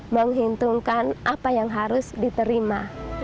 menghitungkan apa yang harus diterima